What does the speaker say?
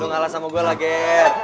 lo ngalah sama gue lah gert